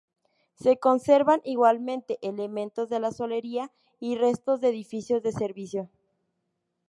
Se conservan igualmente, elementos de la solería y restos de edificios de servicio.